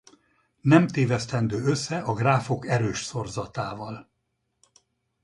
Nem tévesztendő össze a gráfok erős szorzatával.